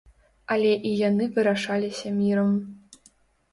Але і яны вырашаліся мірам.